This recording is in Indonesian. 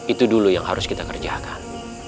itu dulu yang harus kita kerjakan